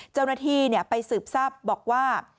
เจ้าหน้าที่ไปสืบทราบบอกว่า